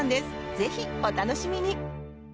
ぜひ、お楽しみに！